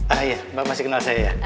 ah iya mbak masih kenal saya ya